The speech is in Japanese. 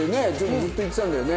ずっと言ってたんだよね。